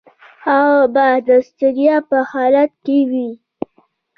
هغه به د ستړیا په حالت کې وي.